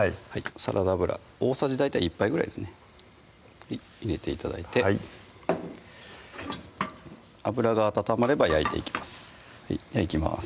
サラダ油大さじ大体１杯ぐらいですね入れて頂いてはい油が温まれば焼いていきますいきます